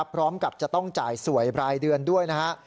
พร้อมกับจะต้องจ่ายสวยรายเดือนด้วยนะฮะ